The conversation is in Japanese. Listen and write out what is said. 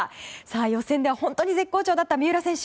予選では本当に絶好調だった三浦選手。